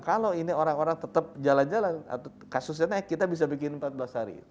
kalau ini orang orang tetap jalan jalan kasusnya kita bisa bikin empat belas hari